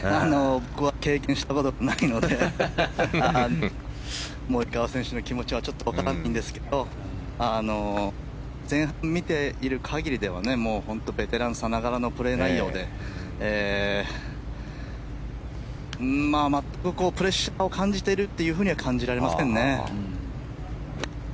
僕は経験したことないのでモリカワ選手の気持ちはちょっとわからないんですけど前半を見ている限りでは、本当にベテランさながらのプレー内容でプレッシャーを感じているとは感じられませんね。